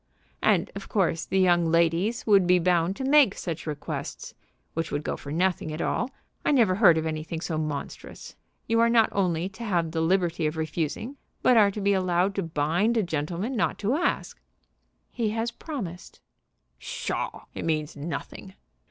"And of course the young ladies would be bound to make such requests, which would go for nothing at all. I never heard of anything so monstrous. You are not only to have the liberty of refusing, but are to be allowed to bind a gentleman not to ask!" "He has promised." "Pshaw! It means nothing."